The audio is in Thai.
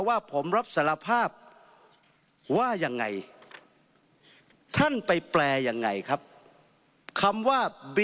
ว่าผมรับสารภาพว่ายังไงท่านไปแปลยังไงครับคำว่า